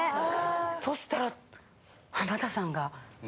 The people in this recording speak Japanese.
そしたら。